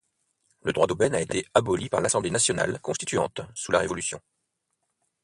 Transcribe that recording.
Le droit d'aubaine a été aboli par l'Assemblée nationale constituante sous la Révolution.